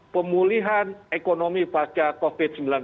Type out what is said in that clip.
pemulihan ekonomi pasca covid sembilan belas